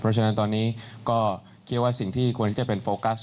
เพราะฉะนั้นตอนนี้ก็กรี๊ยักษ์ว่าสิ่งที่ควรต้องเป็นโฟกัส